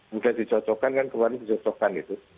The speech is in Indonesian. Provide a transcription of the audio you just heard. kemudian dicocokkan kan kemarin dicocokkan gitu